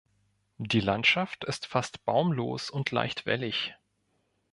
Die Landschaft ist fast baumlos und leicht wellig.